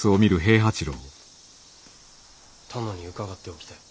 殿に伺っておきたい。